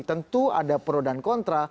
tentu ada pro dan kontra